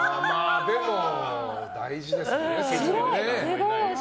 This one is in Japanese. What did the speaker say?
でも、大事ですからね。